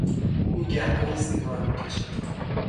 او گهگاهی سیگار میکشد.